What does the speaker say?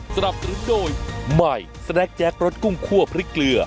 สนับสนุนโดยใหม่สแนคแจ็ครสกุ้งคั่วพริกเกลือ